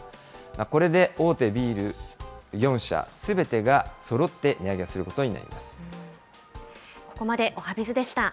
これで大手ビール４社、すべてがそろって値上げすることになります。